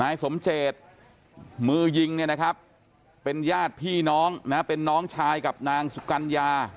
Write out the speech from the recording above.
นายสมเจศมือยิงเป็นญาติพี่น้องเป็นน้องชายกับนางสุกัญญา